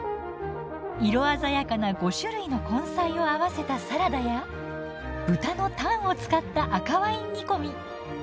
色鮮やかな５種類の根菜をあわせたサラダや豚のタンを使った赤ワイン煮込み。